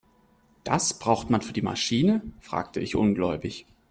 "Das braucht man für die Maschine?", fragte ich ungläubig.